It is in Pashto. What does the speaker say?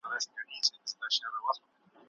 خلګ څنګه خپلي ستونزي مجلس ته رسوي؟